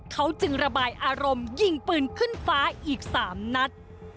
เขาจึงระบายอารมณ์ยิงปืนขึ้นฟ้าอีก๓นัด